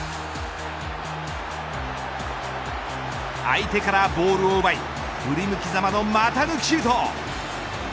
相手からボールを奪い振り向きざまの股抜きシュート。